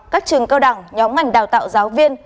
các trường cao đẳng nhóm ngành đào tạo giáo viên